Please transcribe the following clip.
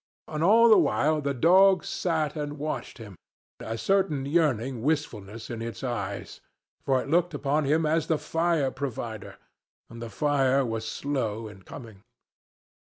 And all the while the dog sat and watched him, a certain yearning wistfulness in its eyes, for it looked upon him as the fire provider, and the fire was slow in coming.